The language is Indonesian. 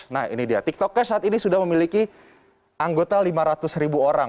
nah ini dia tiktok cash saat ini sudah memiliki anggota lima ratus ribu orang